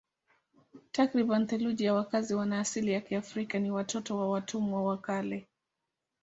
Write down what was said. Takriban theluthi ya wakazi wana asili ya Kiafrika ni watoto wa watumwa wa kale.